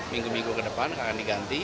minggu minggu ke depan akan diganti